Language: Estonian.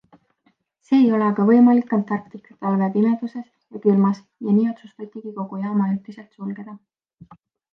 See ei ole aga võimalik Antarktika talve pimeduses ja külmas ja nii otsustatigi kogu jaam ajutiselt sulgeda.